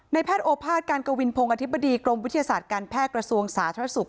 แพทย์โอภาษการกวินพงศ์อธิบดีกรมวิทยาศาสตร์การแพทย์กระทรวงสาธารณสุข